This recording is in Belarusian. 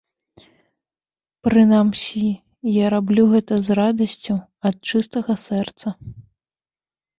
Прынамсі, я раблю гэта з радасцю, ад чыстага сэрца.